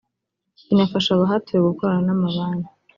binafasha abahatuye gukorana n’amabanki